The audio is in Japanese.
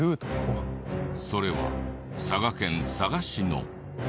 それは佐賀県佐賀市の。